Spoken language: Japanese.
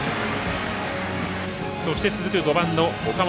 そして続く５番の岡本。